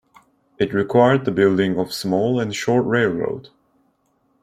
It required the building of small and short railroad.